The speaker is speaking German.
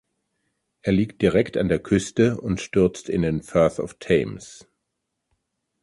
Er liegt direkt an der Küste und stürzt in den Firth of Thames.